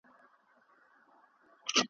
رڼا د ده سترګې ووهلې.